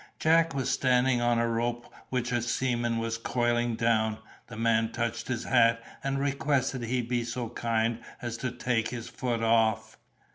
Jack was standing on a rope which a seaman was coiling down; the man touched his hat and requested he be so kind as to take his foot off.